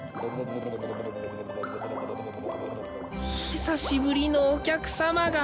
久しぶりのお客さまが